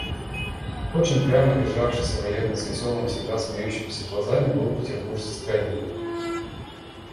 Очень прямо державшийся военный с веселыми, всегда смеющимися глазами был петербуржец Гагин.